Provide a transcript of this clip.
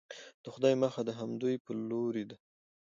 د خدای مخه د همدوی په لورې ده.